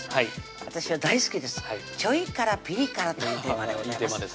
私は大好きです「ちょい辛・ピリ辛」というテーマです